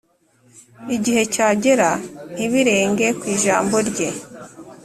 igihe cyagera, ntibirenge ku ijambo rye.